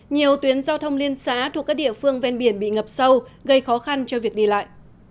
nhiều tuyến giao thông liên xã thuộc các địa phương ven biển bị ngập sâu gây khó khăn cho việc đi lại